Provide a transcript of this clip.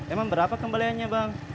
emang berapa kembaliannya bang